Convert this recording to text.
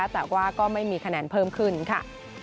แต่ว่าก็ไม่มีคะแนนเพิ่มขึ้นค่ะ